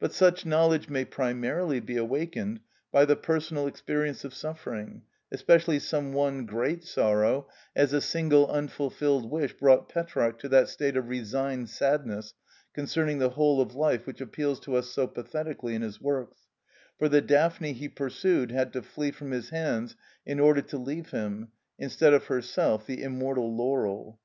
But such knowledge may primarily be awakened by the personal experience of suffering, especially some one great sorrow, as a single unfulfilled wish brought Petrarch to that state of resigned sadness concerning the whole of life which appeals to us so pathetically in his works; for the Daphne he pursued had to flee from his hands in order to leave him, instead of herself, the immortal laurel.